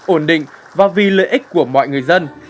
ổn định và vì lợi ích của mọi người dân